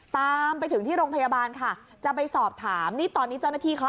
ตามไปถึงที่โรงพยาบาลค่ะจะไปสอบถามนี่ตอนนี้เจ้าหน้าที่เขา